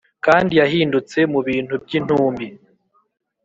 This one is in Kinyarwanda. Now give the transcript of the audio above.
kandi yahindutse mubintu-byintumbi